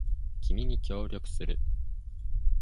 君に協力する